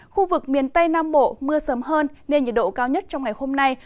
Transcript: khu vực miền tây nam bộ mưa sớm hơn nên nhiệt độ cao nhất trong ngày hôm nay